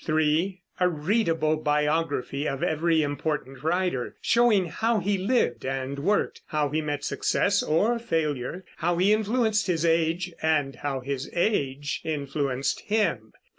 (3) A readable biography of every important writer, showing how he lived and worked, how he met success or failure, how he influenced his age, and how his age influenced him.